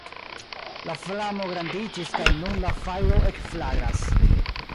La flamo grandiĝis kaj nun la fajro ekflagras.